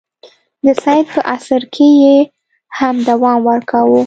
د سید په عصر کې یې هم دوام ورکاوه.